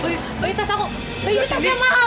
bayu bayu tas aku bayu tas aku